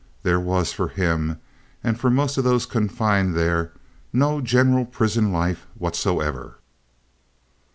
There was, for him and for most of those confined there, no general prison life whatsoever.